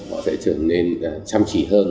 họ sẽ trở nên chăm chỉ hơn